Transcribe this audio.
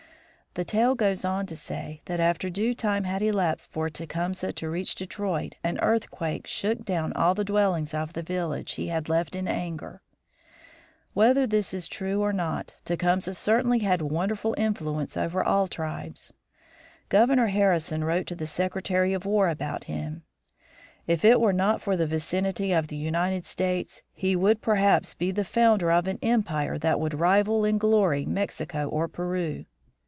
The tale goes on to say that after due time had elapsed for Tecumseh to reach Detroit an earthquake shook down all the dwellings of the village he had left in anger. Whether this is true or not, Tecumseh certainly had wonderful influence over all tribes. Governor Harrison wrote to the Secretary of War about him: "If it were not for the vicinity of the United States, he would perhaps be the founder of an empire that would rival in glory Mexico or Peru.